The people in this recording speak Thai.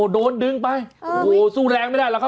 โดนดึงไปโอ้โหสู้แรงไม่ได้หรอกครับ